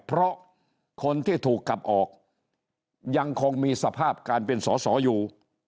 เพราะคนที่ถูกกลับออกยังคงมีสภาพการเป็นสอสออยู่